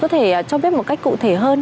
có thể cho biết một cách cụ thể hơn